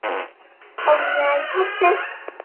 Ông nhai chóp chép...